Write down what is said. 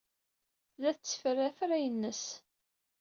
Tella tetteffer afrayen-nnes.